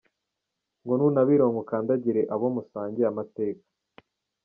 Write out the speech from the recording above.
Ngo nunabironka ukandagire abo musangiye amateka.